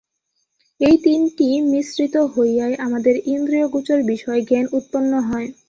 এই তিনটি মিশ্রিত হইয়াই আমাদের ইন্দ্রিয়গোচর বিষয় জ্ঞান উৎপন্ন হয়।